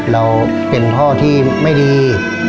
เราเป็นพ่อที่ไม่ดี